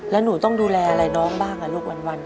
แล้วหนูต้องดูแลอะไรน้องบ้างลูกวัน